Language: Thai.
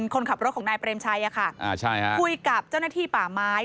คนขับรถของนายเปรมชัยคุยกับเจ้าหน้าที่ป่าไม้